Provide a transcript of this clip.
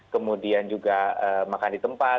kemudian juga makan di tempat